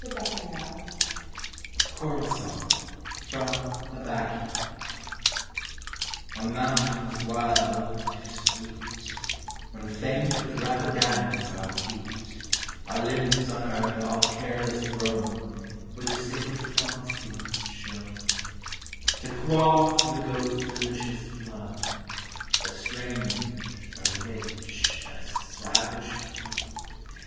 SHAKESPEARE. CHORAL SONG. FROM " THE BACCHiE." On the mountains wild 't is sweet, When faint with rapid dance our feet, Our limbs on earth all careless thrown With the sacred fawn skins shown, To quaff the goat's delicious blood, A strange, a rich, a savage food.